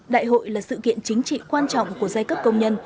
đại hội là sự kiện chính trị quan trọng của giai cấp công nhân